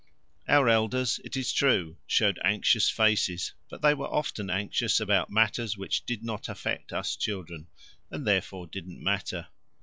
Our elders, it is true, showed anxious faces, but they were often anxious about matters which did not affect us children, and therefore didn't matter.